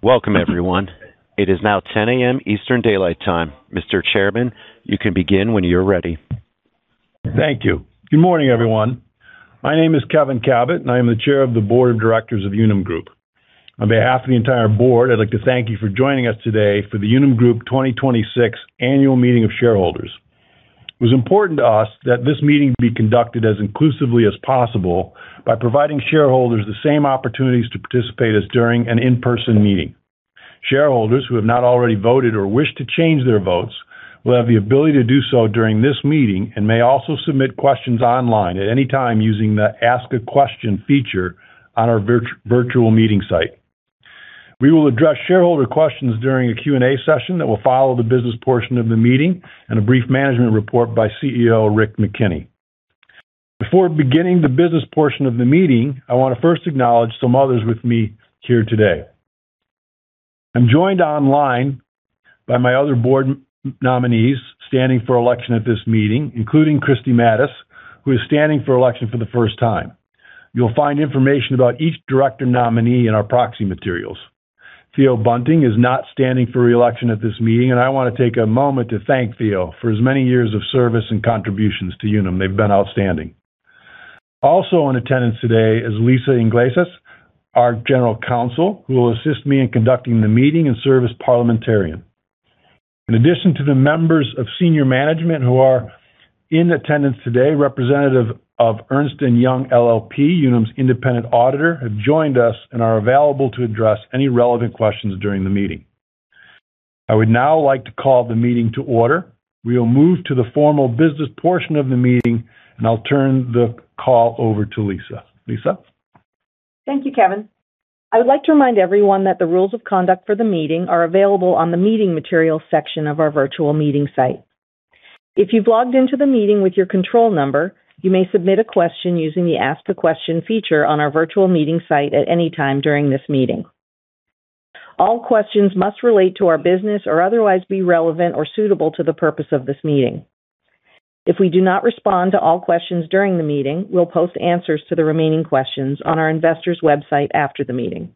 Welcome, everyone. It is now 10:00 A.M. Eastern Daylight Time. Mr. Chairman, you can begin when you're ready. Thank you. Good morning, everyone. My name is Kevin Kabat, and I am the Chair of the Board of Directors of Unum Group. On behalf of the entire Board, I'd like to thank you for joining us today for the Unum Group 2026 Annual Meeting of Shareholders. It was important to us that this meeting be conducted as inclusively as possible by providing shareholders the same opportunities to participate as during an in-person meeting. Shareholders who have not already voted or wish to change their votes will have the ability to do so during this meeting and may also submit questions online at any time using the Ask a Question feature on our virtual meeting site. We will address shareholder questions during a Q&A session that will follow the business portion of the meeting and a brief management report by CEO Rick McKenney. Before beginning the business portion of the meeting, I want to first acknowledge some others with me here today. I'm joined online by my other board nominees standing for election at this meeting, including kristi Matus, who is standing for election for the first time. You'll find information about each director nominee in our proxy materials. Theo Bunting is not standing for re-election at this meeting, and I want to take a moment to thank Theo for his many years of service and contributions to Unum. They've been outstanding. Also in attendance today is Lisa Iglesias, our general counsel, who will assist me in conducting the meeting and serve as parliamentarian. In addition to the members of senior management who are in attendance today, representative of Ernst & Young LLP, Unum's independent auditor, have joined us and are available to address any relevant questions during the meeting. I would now like to call the meeting to order. We will move to the formal business portion of the meeting, and I'll turn the call over to Lisa. Lisa? Thank you, Kevin. I would like to remind everyone that the rules of conduct for the meeting are available on the Meeting Materials section of our virtual meeting site. If you've logged into the meeting with your control number, you may submit a question using the Ask a Question feature on our virtual meeting site at any time during this meeting. All questions must relate to our business or otherwise be relevant or suitable to the purpose of this meeting. If we do not respond to all questions during the meeting, we'll post answers to the remaining questions on our investors' website after the meeting.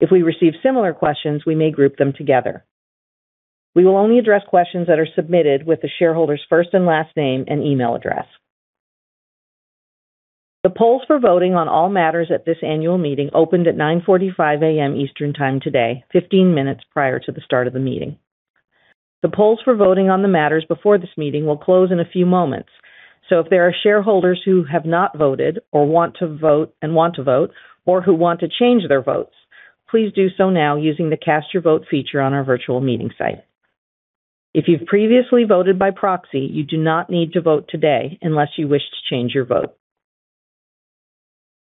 If we receive similar questions, we may group them together. We will only address questions that are submitted with the shareholder's first and last name and email address. The polls for voting on all matters at this annual meeting opened at 9:45 A.M. Eastern Time today, 15 minutes prior to the start of the meeting. The polls for voting on the matters before this meeting will close in a few moments. If there are shareholders who have not voted and want to vote or who want to change their votes, please do so now using the Cast Your Vote feature on our virtual meeting site. If you've previously voted by proxy, you do not need to vote today unless you wish to change your vote.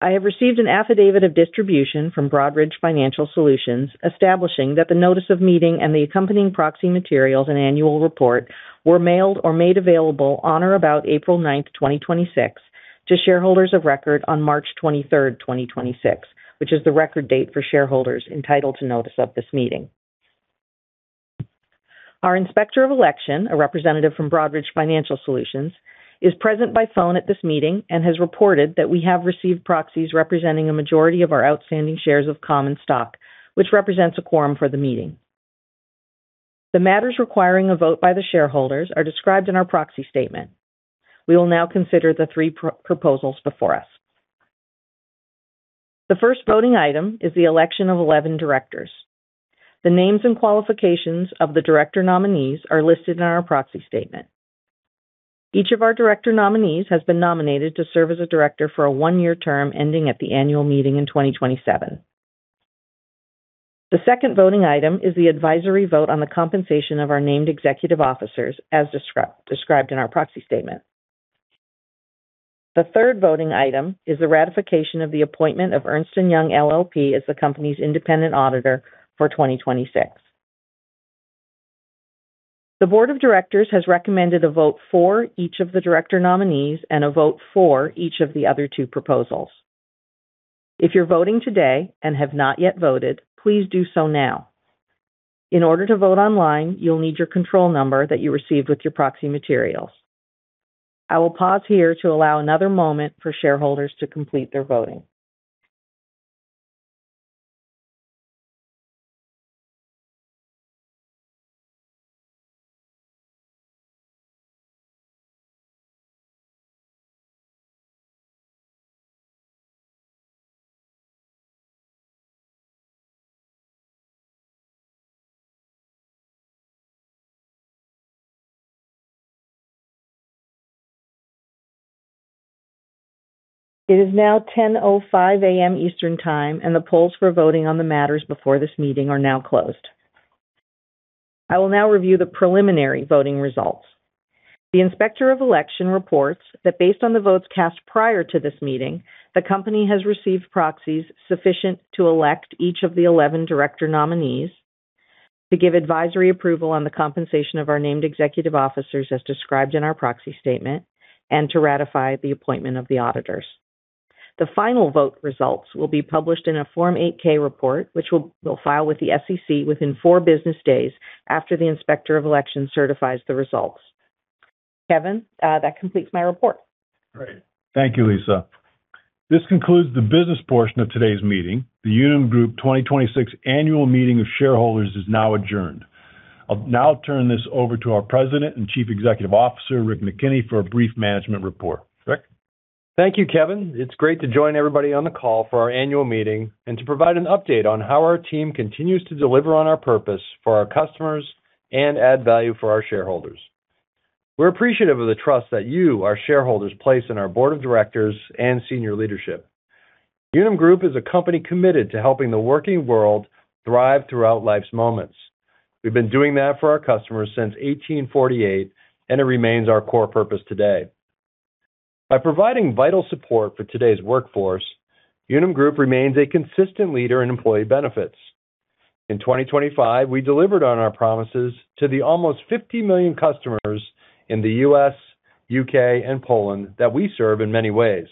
I have received an affidavit of distribution from Broadridge Financial Solutions establishing that the notice of meeting and the accompanying proxy materials and annual report were mailed or made available on or about April 9th, 2026, to shareholders of record on March 23rd, 2026, which is the record date for shareholders entitled to notice of this meeting. Our Inspector of Election, a representative from Broadridge Financial Solutions, is present by phone at this meeting and has reported that we have received proxies representing a majority of our outstanding shares of common stock, which represents a quorum for the meeting. The matters requiring a vote by the shareholders are described in our proxy statement. We will now consider the three proposals before us. The first voting item is the election of 11 directors. The names and qualifications of the director nominees are listed in our proxy statement. Each of our director nominees has been nominated to serve as a director for a one-year term ending at the annual meeting in 2027. The second voting item is the advisory vote on the compensation of our named executive officers, as described in our proxy statement. The third voting item is the ratification of the appointment of Ernst & Young LLP as the company's independent auditor for 2026. The board of directors has recommended a vote for each of the director nominees and a vote for each of the other two proposals. If you're voting today and have not yet voted, please do so now. In order to vote online, you'll need your control number that you received with your proxy materials. I will pause here to allow another moment for shareholders to complete their voting. It is now 10:05 A.M. Eastern Time, and the polls for voting on the matters before this meeting are now closed. I will now review the preliminary voting results. The Inspector of Election reports that based on the votes cast prior to this meeting, the company has received proxies sufficient to elect each of the 11 director nominees to give advisory approval on the compensation of our named executive officers as described in our proxy statement, and to ratify the appointment of the auditors. The final vote results will be published in a Form 8-K report, which we'll file with the SEC within 4 business days after the Inspector of Election certifies the results. Kevin, that completes my report. Great. Thank you, Lisa. This concludes the business portion of today's meeting. The Unum Group 2026 annual meeting of shareholders is now adjourned. I'll now turn this over to our President and Chief Executive Officer, Rick McKenney, for a brief management report. Rick? Thank you, Kevin. It's great to join everybody on the call for our annual meeting and to provide an update on how our team continues to deliver on our purpose for our customers and add value for our shareholders. We're appreciative of the trust that you, our shareholders, place in our board of directors and senior leadership. Unum Group is a company committed to helping the working world thrive throughout life's moments. We've been doing that for our customers since 1848. It remains our core purpose today. By providing vital support for today's workforce, Unum Group remains a consistent leader in employee benefits. In 2025, we delivered on our promises to the almost 50 million customers in the U.S., U.K., and Poland that we serve in many ways.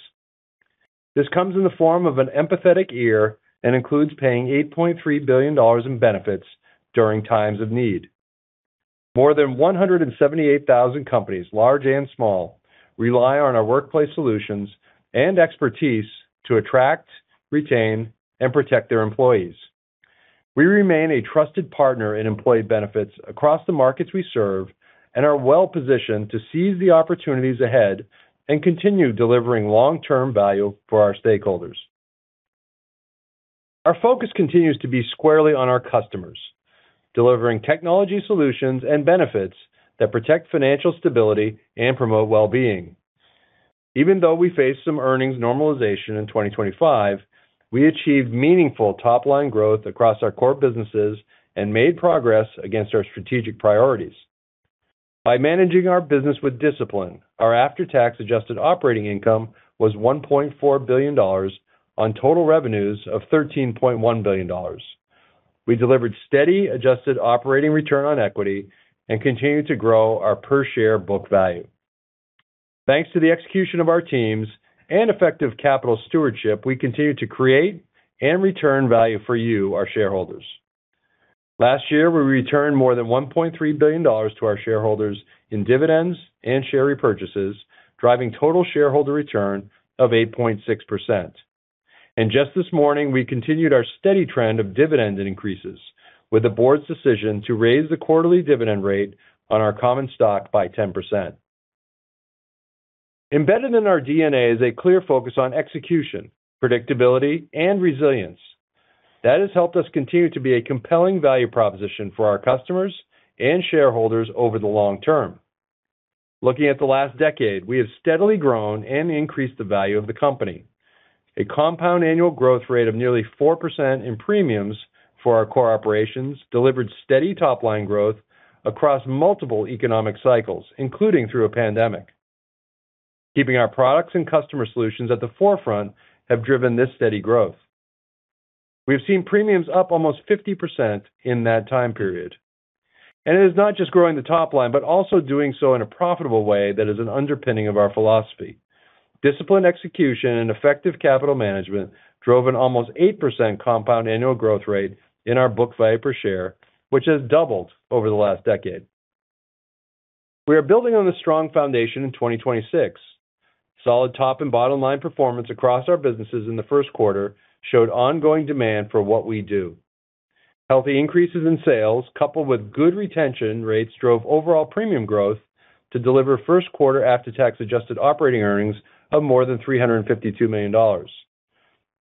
This comes in the form of an empathetic ear and includes paying $8.3 billion in benefits during times of need. More than 178,000 companies, large and small, rely on our workplace solutions and expertise to attract, retain, and protect their employees. We remain a trusted partner in employee benefits across the markets we serve and are well-positioned to seize the opportunities ahead and continue delivering long-term value for our stakeholders. Our focus continues to be squarely on our customers, delivering technology solutions and benefits that protect financial stability and promote well-being. Even though we faced some earnings normalization in 2025, we achieved meaningful top-line growth across our core businesses and made progress against our strategic priorities. By managing our business with discipline, our after-tax adjusted operating income was $1.4 billion on total revenues of $13.1 billion. We delivered steady adjusted operating return on equity and continued to grow our per-share book value. Thanks to the execution of our teams and effective capital stewardship, we continue to create and return value for you, our shareholders. Last year, we returned more than $1.3 billion to our shareholders in dividends and share repurchases, driving total shareholder return of 8.6%. Just this morning, we continued our steady trend of dividend increases with the board's decision to raise the quarterly dividend rate on our common stock by 10%. Embedded in our DNA is a clear focus on execution, predictability, and resilience. That has helped us continue to be a compelling value proposition for our customers and shareholders over the long term. Looking at the last decade, we have steadily grown and increased the value of the company. A compound annual growth rate of nearly 4% in premiums for our core operations delivered steady top-line growth across multiple economic cycles, including through a pandemic. Keeping our products and customer solutions at the forefront have driven this steady growth. We have seen premiums up almost 50% in that time period. It is not just growing the top line, but also doing so in a profitable way that is an underpinning of our philosophy. Disciplined execution and effective capital management drove an almost 8% compound annual growth rate in our book value per share, which has doubled over the last decade. We are building on a strong foundation in 2026. Solid top and bottom line performance across our businesses in the first quarter showed ongoing demand for what we do. Healthy increases in sales, coupled with good retention rates, drove overall premium growth to deliver first quarter after-tax adjusted operating earnings of more than $352 million.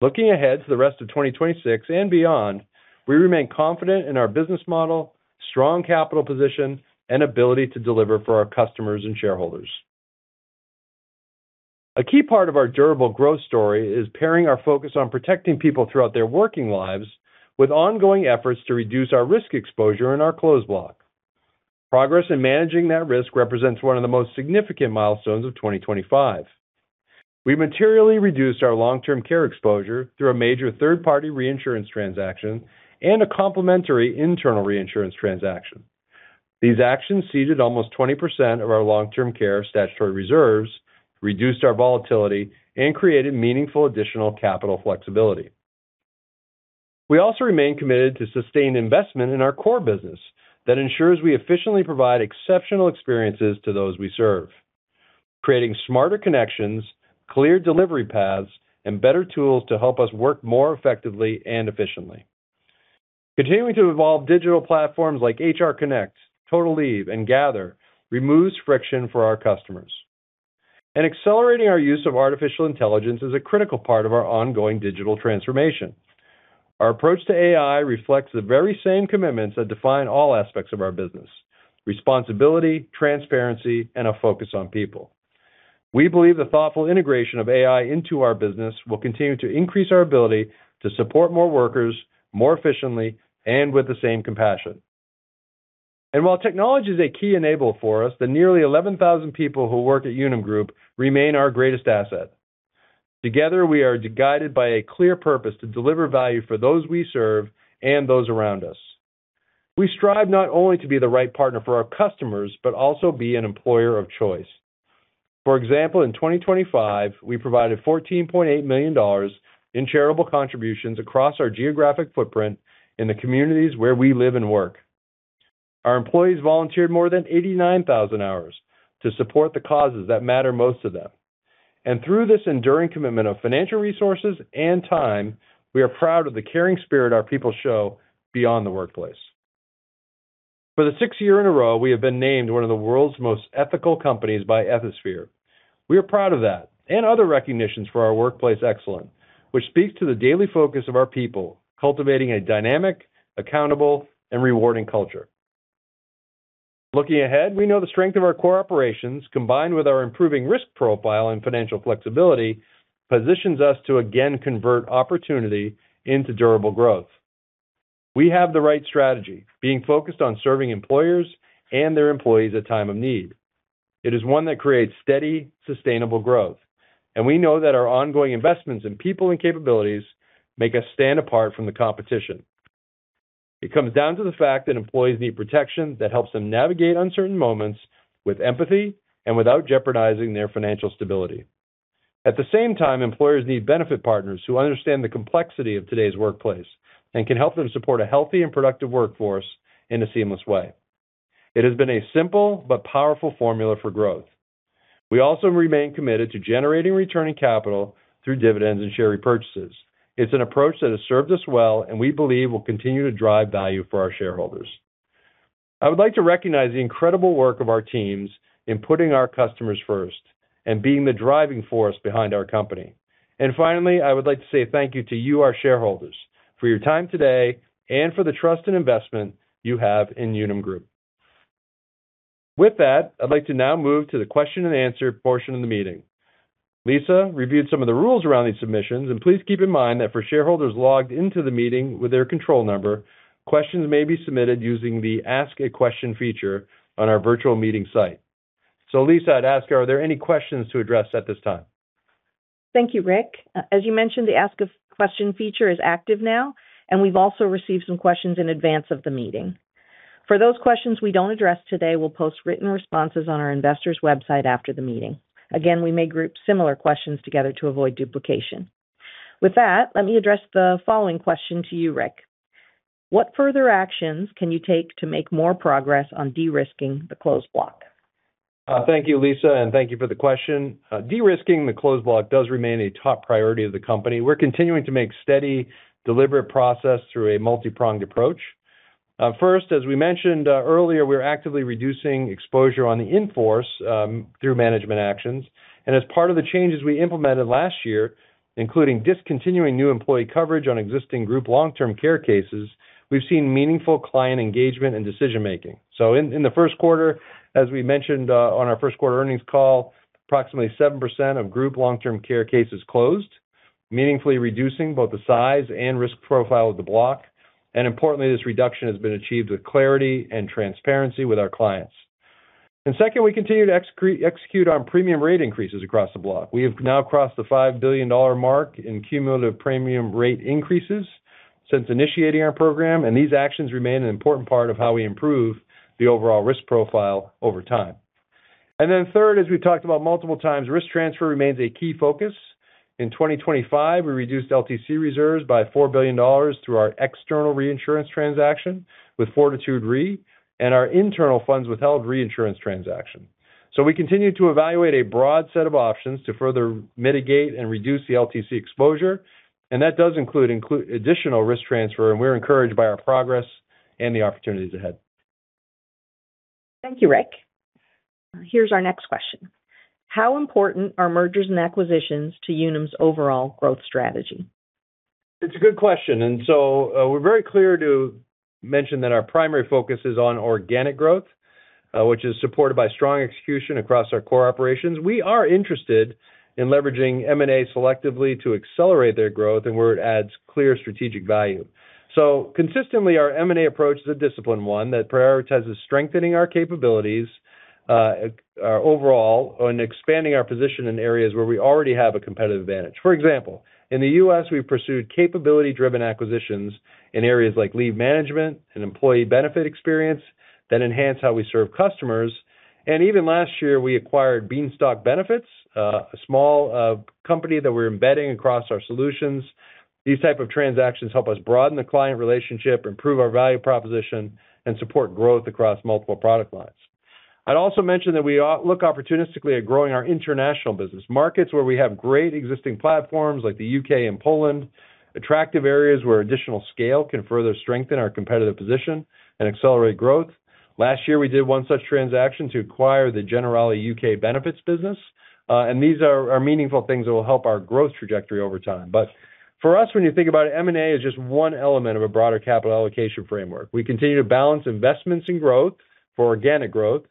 Looking ahead to the rest of 2026 and beyond, we remain confident in our business model, strong capital position, and ability to deliver for our customers and shareholders. A key part of our durable growth story is pairing our focus on protecting people throughout their working lives with ongoing efforts to reduce our risk exposure in our closed block. Progress in managing that risk represents one of the most significant milestones of 2025. We materially reduced our long-term care exposure through a major third-party reinsurance transaction and a complementary internal reinsurance transaction. These actions ceded almost 20% of our long-term care statutory reserves, reduced our volatility, and created meaningful additional capital flexibility. We also remain committed to sustained investment in our core business that ensures we efficiently provide exceptional experiences to those we serve, creating smarter connections, clear delivery paths, and better tools to help us work more effectively and efficiently. Continuing to evolve digital platforms like HR Connect, Total Leave, and Gather removes friction for our customers. Accelerating our use of artificial intelligence is a critical part of our ongoing digital transformation. Our approach to AI reflects the very same commitments that define all aspects of our business: responsibility, transparency, and a focus on people. We believe the thoughtful integration of AI into our business will continue to increase our ability to support more workers more efficiently and with the same compassion. While technology is a key enabler for us, the nearly 11,000 people who work at Unum Group remain our greatest asset. Together, we are guided by a clear purpose to deliver value for those we serve and those around us. We strive not only to be the right partner for our customers, but also be an employer of choice. For example, in 2025, we provided $14.8 million in charitable contributions across our geographic footprint in the communities where we live and work. Our employees volunteered more than 89,000 hours to support the causes that matter most to them. Through this enduring commitment of financial resources and time, we are proud of the caring spirit our people show beyond the workplace. For the sixth year in a row, we have been named one of the World's Most Ethical Companies by Ethisphere. We are proud of that and other recognitions for our workplace excellence, which speaks to the daily focus of our people cultivating a dynamic, accountable, and rewarding culture. Looking ahead, we know the strength of our core operations, combined with our improving risk profile and financial flexibility, positions us to again convert opportunity into durable growth. We have the right strategy, being focused on serving employers and their employees at a time of need. It is one that creates steady, sustainable growth, and we know that our ongoing investments in people and capabilities make us stand apart from the competition. It comes down to the fact that employees need protection that helps them navigate uncertain moments with empathy and without jeopardizing their financial stability. At the same time, employers need benefit partners who understand the complexity of today's workplace and can help them support a healthy and productive workforce in a seamless way. It has been a simple but powerful formula for growth. We also remain committed to generating returning capital through dividends and share repurchases. It's an approach that has served us well and we believe will continue to drive value for our shareholders. I would like to recognize the incredible work of our teams in putting our customers first and being the driving force behind our company. Finally, I would like to say thank you to you, our shareholders, for your time today and for the trust and investment you have in Unum Group. With that, I'd like to now move to the question and answer portion of the meeting. Lisa reviewed some of the rules around these submissions, and please keep in mind that for shareholders logged into the meeting with their control number, questions may be submitted using the Ask a Question feature on our virtual meeting site. Lisa, I'd ask, are there any questions to address at this time? Thank you, Rick. As you mentioned, the Ask a Question feature is active now, and we've also received some questions in advance of the meeting. For those questions we don't address today, we'll post written responses on our investors website after the meeting. Again, we may group similar questions together to avoid duplication. With that, let me address the following question to you, Rick: What further actions can you take to make more progress on de-risking the closed block? Thank you, Lisa, and thank you for the question. De-risking the closed block does remain a top priority of the company. We're continuing to make steady, deliberate progress through a multi-pronged approach. First, as we mentioned earlier, we're actively reducing exposure on the in-force through management actions. As part of the changes we implemented last year, including discontinuing new employee coverage on existing group long-term care cases, we've seen meaningful client engagement and decision-making. In the first quarter, as we mentioned on our first-quarter earnings call, approximately 7% of group long-term care cases closed, meaningfully reducing both the size and risk profile of the block. Importantly, this reduction has been achieved with clarity and transparency with our clients. Second, we continue to execute on premium rate increases across the block. We have now crossed the $5 billion mark in cumulative premium rate increases since initiating our program. These actions remain an important part of how we improve the overall risk profile over time. Third, as we've talked about multiple times, risk transfer remains a key focus. In 2025, we reduced LTC reserves by $4 billion through our external reinsurance transaction with Fortitude Re and our internal funds-withheld reinsurance transaction. We continue to evaluate a broad set of options to further mitigate and reduce the LTC exposure. That does include additional risk transfer. We're encouraged by our progress and the opportunities ahead. Thank you, Rick. Here's our next question. How important are mergers and acquisitions to Unum's overall growth strategy? It's a good question. We're very clear to mention that our primary focus is on organic growth, which is supported by strong execution across our core operations. We are interested in leveraging M&A selectively to accelerate their growth and where it adds clear strategic value. Consistently, our M&A approach is a disciplined one that prioritizes strengthening our capabilities overall and expanding our position in areas where we already have a competitive advantage. For example, in the U.S., we've pursued capability-driven acquisitions in areas like leave management and employee benefit experience that enhance how we serve customers. Even last year, we acquired Beanstalk Benefits, a small company that we're embedding across our solutions. These type of transactions help us broaden the client relationship, improve our value proposition, and support growth across multiple product lines. I'd also mention that we look opportunistically at growing our international business markets where we have great existing platforms like the U.K. and Poland, attractive areas where additional scale can further strengthen our competitive position and accelerate growth. Last year, we did 1 such transaction to acquire the Generali U.K. benefits business. These are meaningful things that will help our growth trajectory over time. For us, when you think about it, M&A is just one element of a broader capital allocation framework. We continue to balance investments in growth for organic growth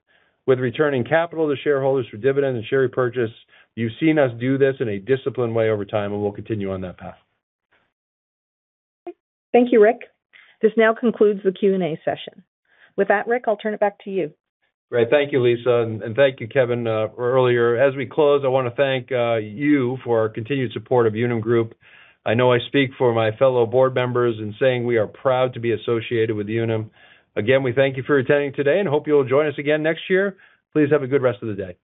with returning capital to shareholders for dividend and share repurchase. You've seen us do this in a disciplined way over time, and we'll continue on that path. Thank you, Rick. This now concludes the Q&A session. With that, Rick, I'll turn it back to you. Great. Thank you, Lisa, and thank you, Kevin, earlier. As we close, I want to thank you for your continued support of Unum Group. I know I speak for my fellow board members in saying we are proud to be associated with Unum. We thank you for attending today and hope you'll join us again next year. Please have a good rest of the day.